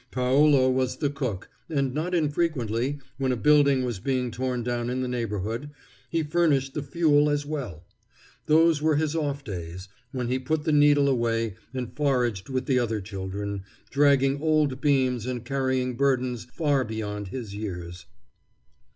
Paolo was the cook, and not infrequently, when a building was being torn down in the neighborhood, he furnished the fuel as well. Those were his off days, when he put the needle away and foraged with the other children, dragging old beams and carrying burdens far beyond his years.